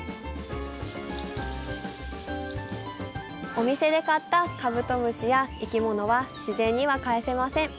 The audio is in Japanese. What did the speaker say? お店で買ったカブトムシや生き物は自然には帰せません。